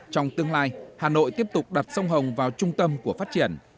trong tương lai hà nội tiếp tục đặt sông hồng vào trung tâm của phát triển